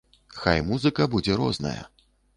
Хай музыка будзе розная.